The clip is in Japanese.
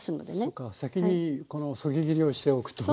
そうか先にこのそぎ切りをしておくと。